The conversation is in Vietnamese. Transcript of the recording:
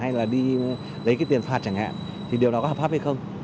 hay là đi lấy cái tiền phạt chẳng hạn thì điều đó có hợp pháp hay không